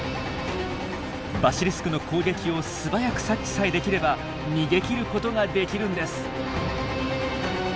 バシリスクの攻撃を素早く察知さえできれば逃げきることができるんです。